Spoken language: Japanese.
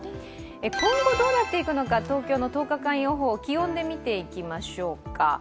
今後どうなっていくのか東京の１０日間予報気温で見ていきましょうか。